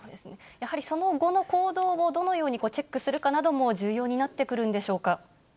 やはりその後の行動をどのようにチェックするかなども重要になってくるんでしょうか。